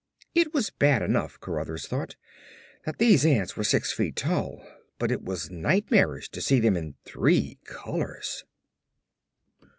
It was bad enough, Cruthers thought, that these ants were six feet tall, but it was nightmarish to see them in three colors.